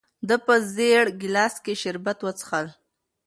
ده په زېړ ګیلاس کې شربت وڅښل.